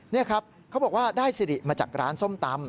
นี่ครับเขาบอกว่าได้สิริมาจากร้านส้มตำ